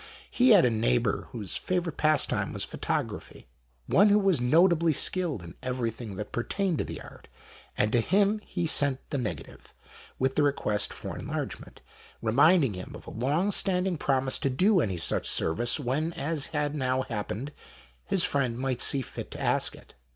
He had a neighbour whose favourite pastime was photography, one who was notably skilled in everything that per tained to the art, and to him he sent the negative, with the request for an enlargement, reminding him of a long standing promise to do any such service, when as had now happened, his friend might see fit to ask it.